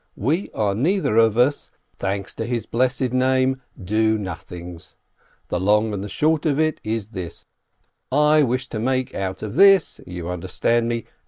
We are neither of us, thanks to His blessed Name, do nothings. The long and short of it is this: I wish to make out of this — you understand me